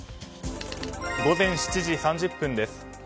午前７時３０分です。